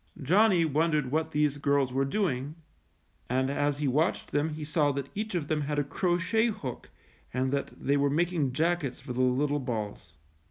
Johnny wondered what these girls were doing, and as he watched them he saw that each of them had a crochet hook and that they were making jackets for the little balls.